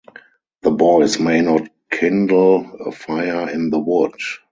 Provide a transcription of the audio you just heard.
The boys may not kindle a fire in the wood.